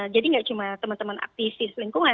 jadi tidak cuma teman teman aktifis lingkungan